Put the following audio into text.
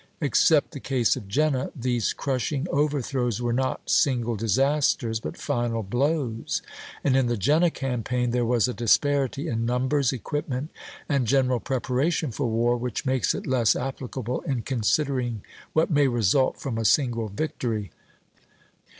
Except the case of Jena, these crushing overthrows were not single disasters, but final blows; and in the Jena campaign there was a disparity in numbers, equipment, and general preparation for war, which makes it less applicable in considering what may result from a single victory.